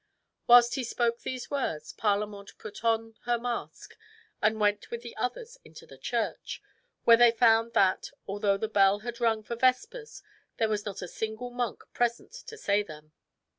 Whilst he spoke these words, Parlamente put on her mask (5) and went with the others into the church, where they found that although the bell had rung for vespers, there was not a single monk, present to say them.